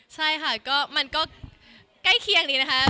ใช่ค่ะก็มันก็ใกล้เคียงดีนะคะ